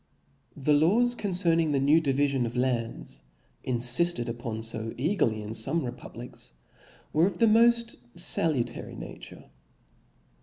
^ The laws concerning the new divifion of lands, infifted upon fo eagerly ii) fpme republics, were of the moft faiutary nature.